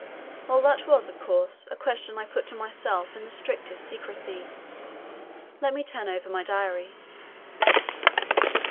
Well, that was, of course, a question I put to myself in the strictest secrecy. Let me turn over my diary.